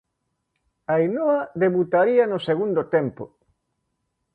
Ainoa debutaría no segundo tempo.